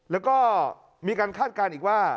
แล้วก็มีการคาดการณ์อีกว่า